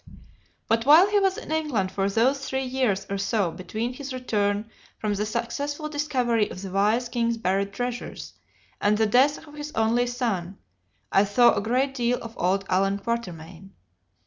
But while he was in England for those three years or so between his return from the successful discovery of the wise king's buried treasures, and the death of his only son, I saw a great deal of old Allan Quatermain.